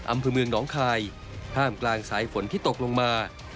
อำเภอเมืองหนองคายท่ามกลางสายฝนที่ตกลงมา